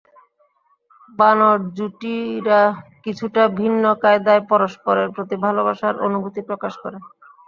বানর জুটিরা কিছুটা ভিন্ন কায়দায় পরস্পরের প্রতি ভালোবাসার অনুভূতি প্রকাশ করে।